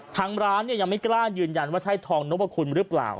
ทางร้านยังไม่กล้ายืนยันว่าใช่ทองนพคุณหรือเปล่า